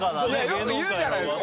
よく言うじゃないですか。